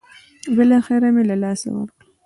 بالاخره مې له لاسه ورکړ.